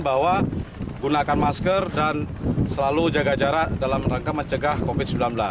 bahwa gunakan masker dan selalu jaga jarak dalam rangka mencegah covid sembilan belas